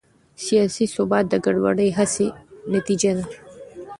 سیاسي ثبات د ګډې هڅې نتیجه ده